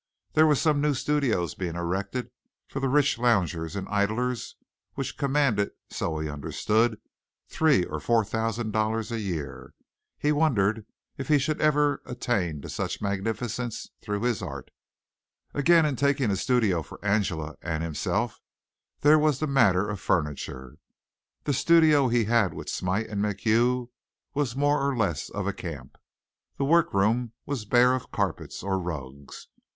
There were some new studios being erected for the rich loungers and idlers which commanded, so he understood, three or four thousand dollars a year. He wondered if he should ever attain to any such magnificence through his art. Again, in taking a studio for Angela and himself there was the matter of furniture. The studio he had with Smite and MacHugh was more or less of a camp. The work room was bare of carpets or rugs.